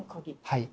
はい。